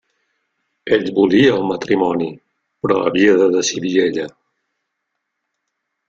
Ell volia el matrimoni, però havia de decidir ella.